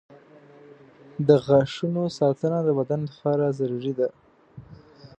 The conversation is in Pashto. • د غاښونو ساتنه د بدن لپاره ضروري ده.